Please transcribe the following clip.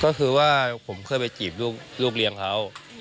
ก็คือว่าผมเคยไปจีบลูกเลี้ยงเขา